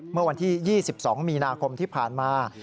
เมื่อวันที่๒๒มีนาคมที่ผ่านมา